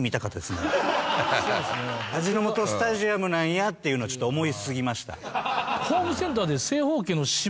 味の素スタジアムなんやっていうのをちょっと思いすぎました。